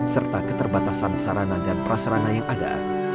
serta keterbatasan sarana dan prasarana yang ada